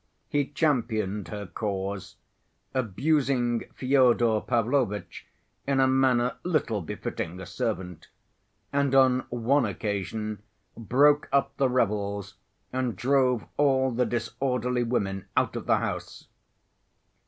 He championed her cause, abusing Fyodor Pavlovitch in a manner little befitting a servant, and on one occasion broke up the revels and drove all the disorderly women out of the house.